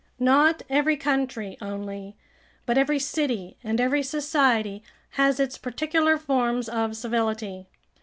Not every country only, but every city and every society has its particular forms of civility.